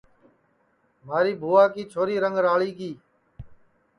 مھاری بھُوئا کی چھوری رنگ راݪی گی